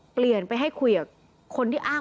เปลี่ยนไปให้คุยกับ